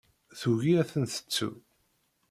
Tugi ad ten-tettu.